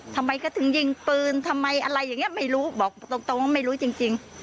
ทำไมก็ถึงยิงปืนทำไมอะไรอย่างนี้ไม่รู้บอกตรงว่าไม่รู้จริง